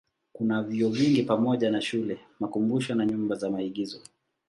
Kuna vyuo vingi pamoja na shule, makumbusho na nyumba za maigizo.